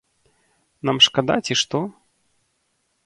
Нам шкада ці што?